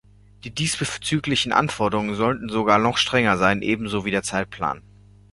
Die diesbezüglichen Anforderungen sollten sogar noch strenger sein, ebenso wie der Zeitplan.